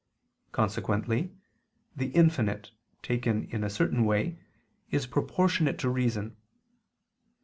Consequently, the infinite, taken in a certain way, is proportionate to reason.